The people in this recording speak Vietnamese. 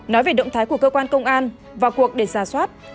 nói về động thái của cơ quan công an vào cuộc để giả soát